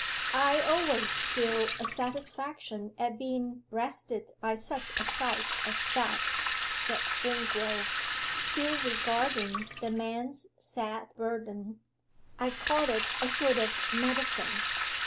'I always feel a satisfaction at being breasted by such a sight as that,' said Springrove, still regarding the men's sad burden. 'I call it a sort of medicine.